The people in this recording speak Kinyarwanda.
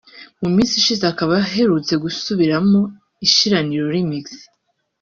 mu minsi ishize akaba aherutse gusubiramo ‘Ishiraniro remix’